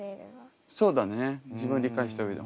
そうだね自分を理解した上で。